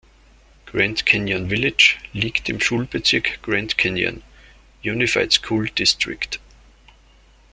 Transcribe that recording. Grand Canyon Village liegt im Schulbezirk Grand Canyon Unified School District.